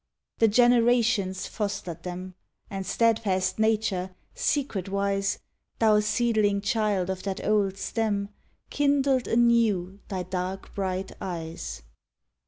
The generations fostered them; And steadfast Nature, secretwise— Thou seedling child of that old stem— Kindled anew thy dark bright eyes.